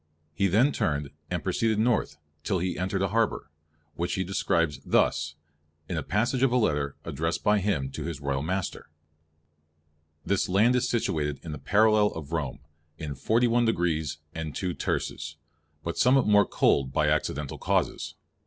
He then turned, and proceeded north till he entered a harbour, which he describes thus, in a passage of a letter addressed by him to his Royal master:— "This land is situated in the paralele of Rome, in forty one degrees and two terces; but somewhat more colde by accidentall causes.